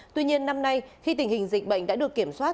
tuy nhiên năm nay khi tình hình dịch bệnh đã được kiểm soát